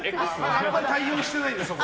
あんまり対応してないので。